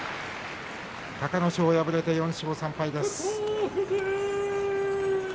隆の勝、敗れて４勝３敗です。